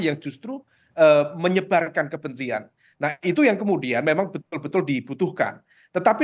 yang justru menyebarkan kebencian nah itu yang kemudian memang betul betul dibutuhkan tetapi